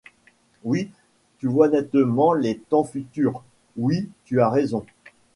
Oui, tu vois nettement les temps futurs, oui, tu as raison.